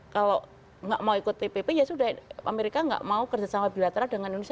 kalau nggak mau ikut tpp ya sudah amerika nggak mau kerjasama bilateral dengan indonesia